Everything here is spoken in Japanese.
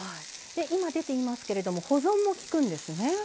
今、出ていますが保存もきくんですね。